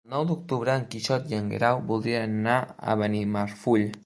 El nou d'octubre en Quixot i en Guerau voldrien anar a Benimarfull.